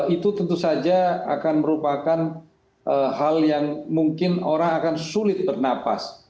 itu tentu saja akan merupakan hal yang mungkin orang akan sulit bernapas